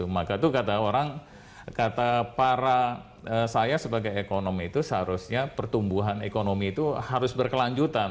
maka itu kata orang kata para saya sebagai ekonomi itu seharusnya pertumbuhan ekonomi itu harus berkelanjutan